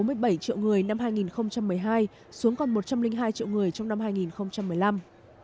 mức một trăm bốn mươi bảy triệu người năm hai nghìn một mươi hai xuống còn một trăm linh hai triệu người trong năm hai nghìn một mươi năm